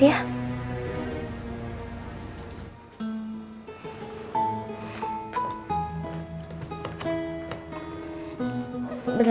udah mak gak usah dibahas ya